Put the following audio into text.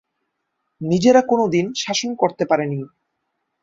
নিজেরা কোনদিন শাসন করতে পারেনি।